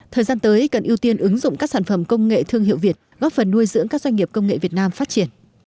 thời gian tới cần ưu tiên ứng dụng các sản phẩm công nghệ thương hiệu việt góp phần nuôi dưỡng các doanh nghiệp công nghệ việt nam phát triển